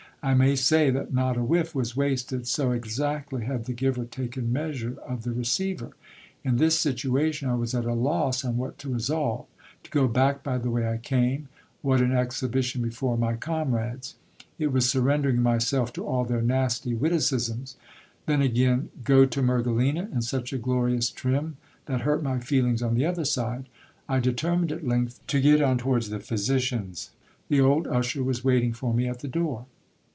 I may say that not a whiff was wasted, so exactly had the giver taken measure of the receiver. In this situation I was at a loss on what to resolve : to go back by the way I came, what an exhibition before my comrades ! It was surrendering myself to all their nasty witticisms. Then again, go to Mergelina in such a glorious trim, that hurt my feelings on the other side. I determined, at length, to get on to wards the physician's. The old usher was waiting for me at the door.